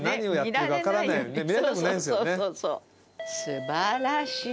素晴らしい。